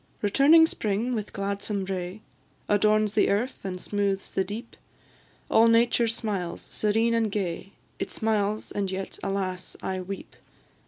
Returning spring, with gladsome ray, Adorns the earth and smoothes the deep: All nature smiles, serene and gay, It smiles, and yet, alas! I weep.